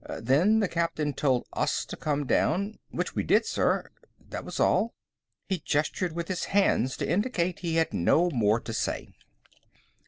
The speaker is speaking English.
Then the captain told us to come down, which we did, sir. That was all." He gestured with his hands to indicate he had no more to say.